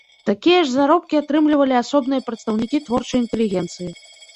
Такія ж заробкі атрымлівалі асобныя прадстаўнікі творчай інтэлігенцыі.